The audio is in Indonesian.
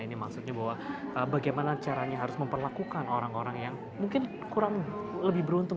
ini maksudnya bahwa bagaimana caranya harus memperlakukan orang orang yang mungkin kurang lebih beruntung